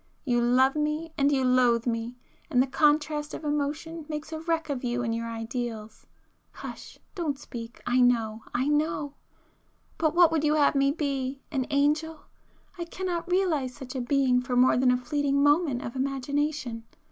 You love me—and you loathe me!—and the contrast of emotion makes a wreck of you and your ideals. Hush,—don't speak; I know,—I know! But what would you have me be? An angel? I cannot realize such a being for more than a fleeting moment of imagination.